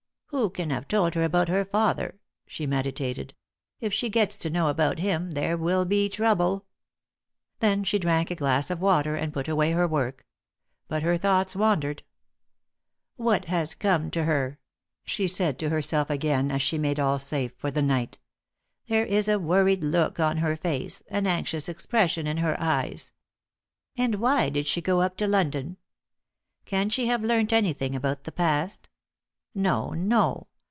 "Who can have told her about her father?" she meditated. "If she gets to know about him, there will be trouble." Then she drank a glass of water, and put away her work. But her thoughts wandered. "What has come to her?" she said to herself again, as she made all safe for the night. "There is a worried look on her face, an anxious expression in her eyes. And why did she go up to London? Can she have learnt anything about the past? No, no.